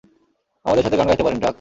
আমাদের সাথে গান গাইতে পারেন, ড্রাক!